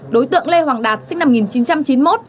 đối tượng lê hoàng đạt sinh năm một nghìn chín trăm chín mươi một